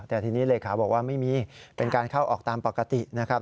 แต่ทีนี้เลขาบอกว่าไม่มีเป็นการเข้าออกตามปกตินะครับ